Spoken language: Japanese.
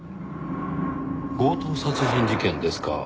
強盗殺人事件ですか。